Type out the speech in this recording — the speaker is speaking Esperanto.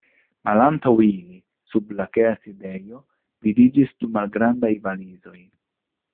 Malantaŭ ili, sub lakea sidejo vidiĝis du malgrandaj valizoj.